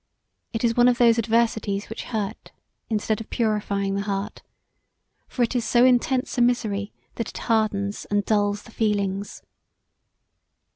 It is one of those adversities which hurt instead of purifying the heart; for it is so intense a misery that it hardens & dulls the feelings.